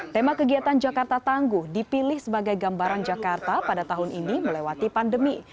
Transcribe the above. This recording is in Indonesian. tema kegiatan jakarta tangguh dipilih sebagai gambaran jakarta pada tahun ini melewati pandemi